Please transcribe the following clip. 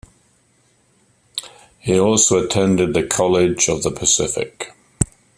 He also attended the College of the Pacific.